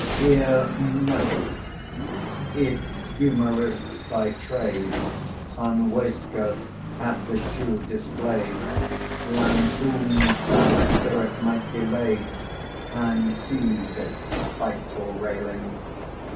] Here note, if humourists by trade On waistcoat had the shoe displayed, Lampoon's sour spirit might be laid, And cease its spiteful railing.